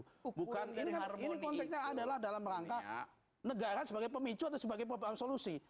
ini konteksnya adalah dalam rangka negara sebagai pemicu atau sebagai solusi